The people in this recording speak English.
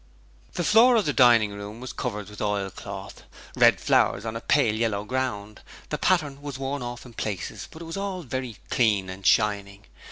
The floor of the dining room was covered with oilcloth red flowers on a pale yellow ground; the pattern was worn off in places, but it was all very clean and shining.